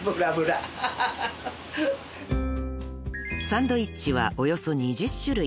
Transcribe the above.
［サンドイッチはおよそ２０種類］